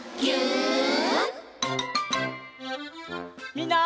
みんな。